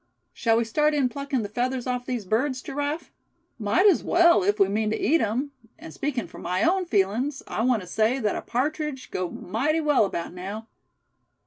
"Shall we start in plucking the feathers off these birds, Giraffe?" "Might as well, if we mean to eat 'em; and speakin' for my own feelings I want to say that a partridge'd go mighty well about now.